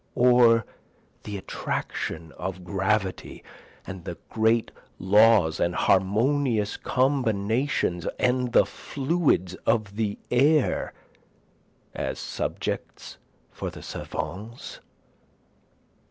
Or the attraction of gravity, and the great laws and harmonious combinations and the fluids of the air, as subjects for the savans?